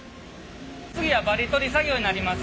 次はバリ取り作業になります。